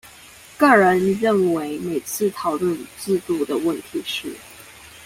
個人認為每次討論制度的問題時